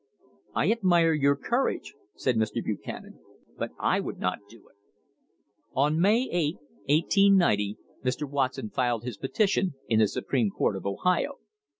"I admire your courage," said Mr. Buchanan, "but I would not do it." On May 8, 1890, Mr. Watson filed his petition in the Supreme Court of Ohio.